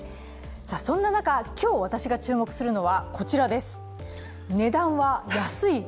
そんな中、今日私が注目するのは、こちらです。